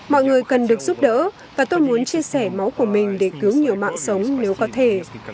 mọi người cần được giúp đỡ và tôi muốn chia sẻ máu của mình để cứu nhiều mạng sống nếu có thể